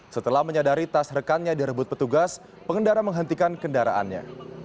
setelah menyadari tas rekannya direbut petugas pengendara menghentikan kendaraannya